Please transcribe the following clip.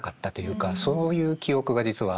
そういう記憶が実はあるんです。